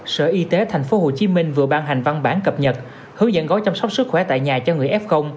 sở y tế tp hcm vừa ban hành văn bản cập nhật hướng dẫn gói chăm sóc sức khỏe tại nhà cho người f